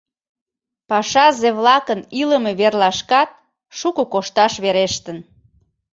Пашазе-влакын илыме верлашкат шуко кошташ верештын.